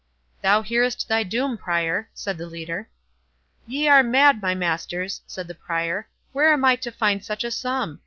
"Thou hearest thy doom, Prior," said the leader. "Ye are mad, my masters," said the Prior; "where am I to find such a sum?